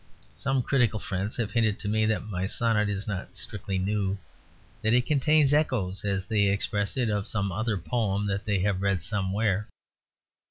Some critical friends have hinted to me that my sonnet is not strictly new; that it contains "echoes" (as they express it) of some other poem that they have read somewhere.